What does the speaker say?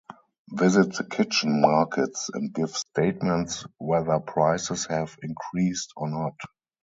Visit the kitchen markets and give statements whether prices have increased or not.